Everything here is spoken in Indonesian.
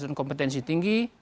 dan kompetensi tinggi